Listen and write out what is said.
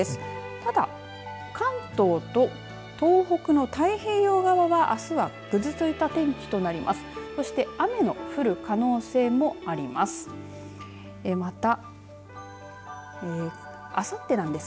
ただ、関東と東北の太平洋側は、あすはぐずついた天気となります。